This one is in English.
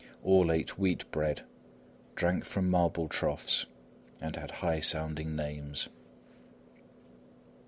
All ate wheat bread, drank from marble troughs, and had high sounding names.